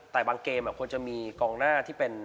แต่บางเกมควรจะมีกองหน้าที่เป็น